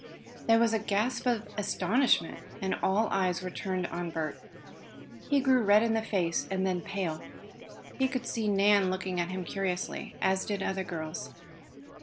There was a gasp of astonishment, and all eyes were turned on Bert. He grew red in the face, and then pale. He could see Nan looking at him curiously, as did other girls.